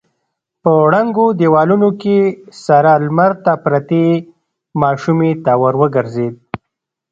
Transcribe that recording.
په ړنګو دېوالونو کې سره لمر ته پرتې ماشومې ته ور وګرځېد.